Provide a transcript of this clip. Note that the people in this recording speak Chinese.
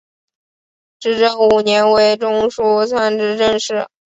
至正五年为中书参知政事。